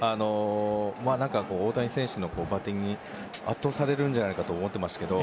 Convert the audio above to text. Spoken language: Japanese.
大谷選手のバッティングに圧倒されるんじゃないかと思ってましたけど。